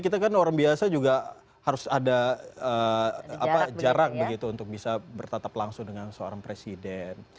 kita kan orang biasa juga harus ada jarak begitu untuk bisa bertatap langsung dengan seorang presiden